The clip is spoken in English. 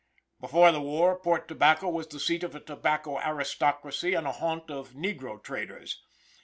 Before the war Port Tobacco was the seat of a tobacco aristocracy and a haunt of negro traders.